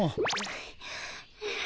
はあはあ。